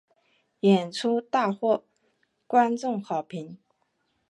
演出大获观众好评。